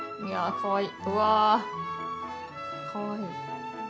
かわいい。